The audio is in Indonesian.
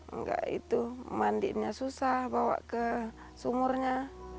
enggak itu mandinya susah bawa ke sumurnya